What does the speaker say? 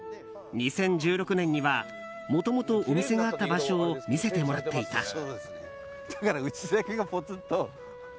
２０１６年にはもともとお店があった場所を見せてもらっていた。